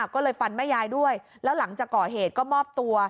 ก็เลยฟันแม่ยายด้วยแล้วหลังจากก่อเหตุก็มอบตัว